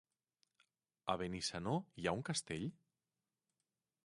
A Benissanó hi ha un castell?